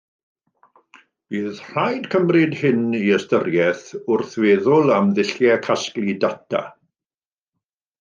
Bydd rhaid cymryd hyn i ystyriaeth wrth feddwl am ddulliau casglu data